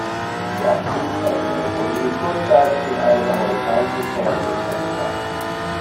Nach Kriegsende wurde sie kurzzeitig in einem amerikanischen Camp untergebracht.